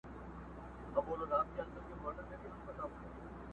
هم په لوبو هم په ټال کي پهلوانه،